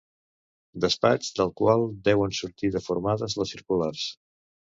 Despatx del qual deuen sortir deformades les circulars.